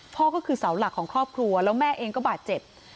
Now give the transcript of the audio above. พ่อก็คือเสาหลักของครอบครัวแล้วแม่เองก็บาดเจ็บ